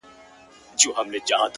سیاه پوسي ده، برباد دی،